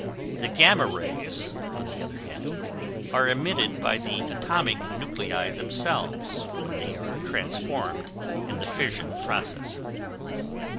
The gamma rays on the other hand are emitted by the atomic nuclei themselves when they are transformed in the fission process.